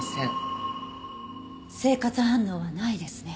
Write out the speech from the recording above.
生活反応はないですね。